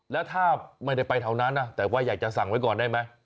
แล้วถ้าไม่ได้ไปแถวนั้นนะแต่ว่าอยากจะสั่งไว้ก่อนได้ไหม